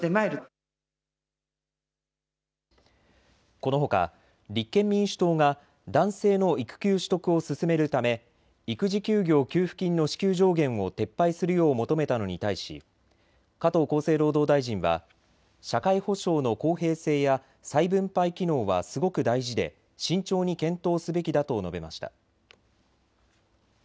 このほか立憲民主党が男性の育休取得を進めるため育児休業給付金の支給上限を撤廃するよう求めたのに対し加藤厚生労働大臣は社会保障の公平性や再分配機能はすごく大事で慎重に検討すべきだと述べました。